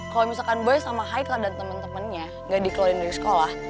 kalo misalkan boy sama haika dan temen temennya gak dikeluarin dari sekolah